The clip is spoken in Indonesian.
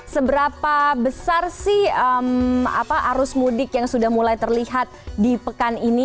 seberapa besar sih arus mudik yang sudah mulai terlihat di pekan ini